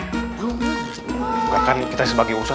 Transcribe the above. bukan kan kita sebagai ustadz